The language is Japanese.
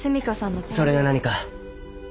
それが何か？